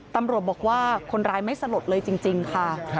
ตำรวจบอกว่าคนร้ายไม่สลดเลยจริงค่ะ